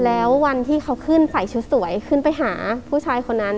แล้ววันที่เขาขึ้นใส่ชุดสวยขึ้นไปหาผู้ชายคนนั้น